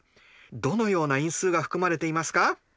どのような因数が含まれていますか？